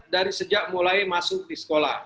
dari sejak mulai masuk di sekolah